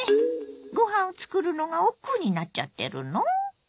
ご飯を作るのがおっくうになっちゃってるの？